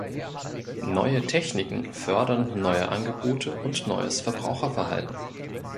Neue Techniken fördern neue Angebote und neues Verbraucherverhalten.